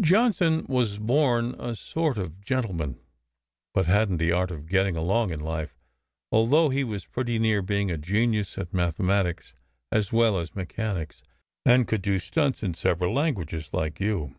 "Johnson was born a sort of gentleman, but hadn t the art of getting along in life, although he was pretty near being a genius at mathematics as well as mechanics, and could do stunts in several languages, like you.